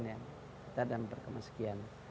kita dalam empat sekian